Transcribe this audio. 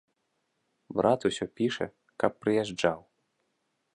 Брат усё піша, каб прыязджаў.